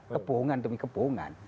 kebohongan demi kebohongan